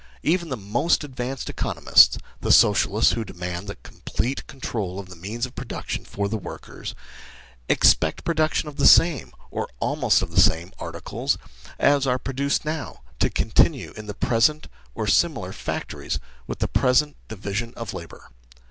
Even the most advanced economists the socialists, who demand the complete control of the means of production, for the workers expect production of the same, or almost of the same, articles, as are produced now, to continue in the present^ or similar, factories, with the present division of labour.